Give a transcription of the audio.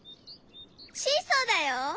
シーソーだよ。